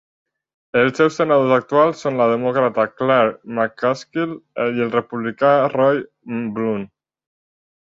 Els seus senadors actuals són la demòcrata Claire McCaskill i el republicà Roy Blunt.